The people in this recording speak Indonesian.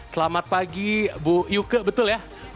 selamat pagi bu yuke betul ya